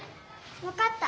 わかった。